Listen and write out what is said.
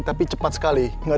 tapi cepat sekali